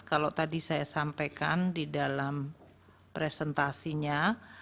kalau tadi saya sampaikan di dalam presentasinya